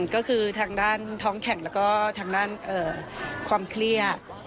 ก็คือทางด้านท้องแข่งแล้วก็ทางด้านความเครียด